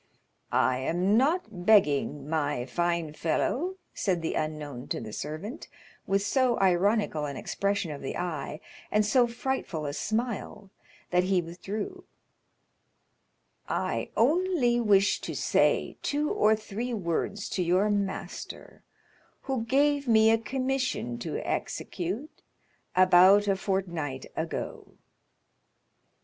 "I am not begging, my fine fellow," said the unknown to the servant, with so ironical an expression of the eye, and so frightful a smile, that he withdrew; "I only wish to say two or three words to your master, who gave me a commission to execute about a fortnight ago."